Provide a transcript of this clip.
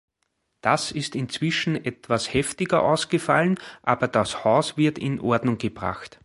Das ist inzwischen etwas heftiger ausgefallen, aber das Haus wird in Ordnung gebracht.